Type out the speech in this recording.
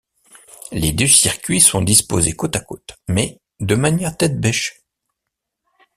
Les deux circuits sont disposés côte à côte mais de manière tête-bêche.